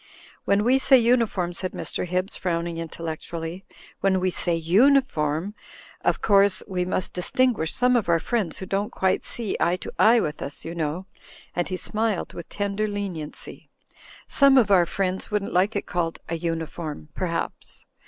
"When we say uniform," said Mr. Hibbs, frown ing intellectually, "when we say uniform, of course — we must distinguish some of our friends who don't quite see eye to eye with us, you know," and he smiled with tender leniency, "some of our friends wouldn't like it called a uniform perhaps.